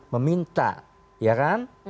meminta ya kan